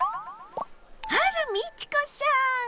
あら美智子さん！